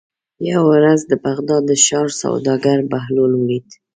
یوه ورځ د بغداد د ښار سوداګر بهلول ولید.